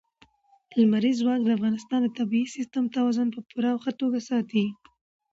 لمریز ځواک د افغانستان د طبعي سیسټم توازن په پوره او ښه توګه ساتي.